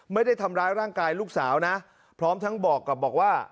ไม่ได้ทำร้ายร่างกายลูกสาวนะพร้อมทั้งบอกกับบอกว่า